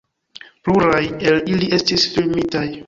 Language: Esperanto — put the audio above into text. Pluraj el ili estis filmitaj.